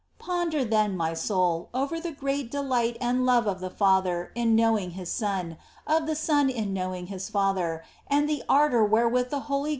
3. Ponder, then, my soul, over the great delight and love of the Father in knowing His Son, of the Son in knowing His Father, and the ardour wherewith the Holy ^ Prov.